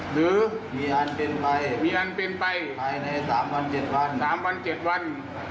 หรือมีอันเป็นไปภายในสามวันเจ็ดวัน